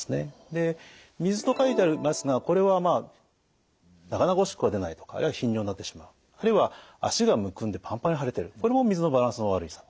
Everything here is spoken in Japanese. で水と書いてありますがこれはまあなかなかおしっこが出ないとかあるいは頻尿になってしまうあるいは足がむくんでパンパンに腫れてるこれも水のバランスの悪さ。